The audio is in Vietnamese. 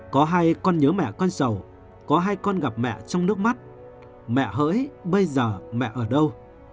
có hai con nhớ mẹ con sầu có hai con gặp mẹ trong nước mắt mẹ hỡi bây giờ mẹ ở đâu